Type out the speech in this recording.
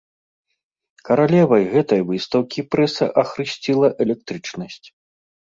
Каралевай гэтай выстаўкі прэса ахрысціла электрычнасць.